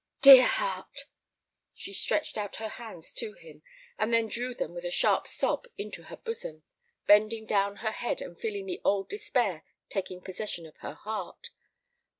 "Dear heart!" She stretched out her hands to him, and then drew them with a sharp sob into her bosom, bending down her head and feeling the old despair taking possession of her heart.